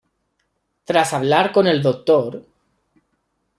Tras hablar con El Dr.